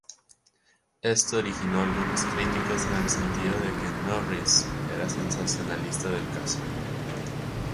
Esto originó algunas críticas en el sentido de que Norris era sensacionalista del caso.